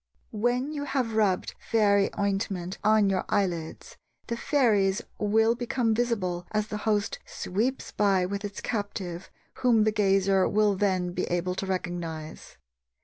When you have rubbed fairy ointment on your eyelids, the fairies will become visible as the host sweeps by with its captive, whom the gazer will then be able to recognize.